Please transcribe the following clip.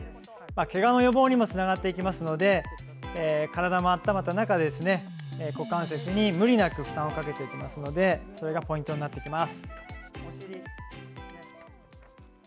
けがの予防にもつながっていきますので体が温まった中で股関節に無理なく負担をかけるのでそれがポイントになってきます。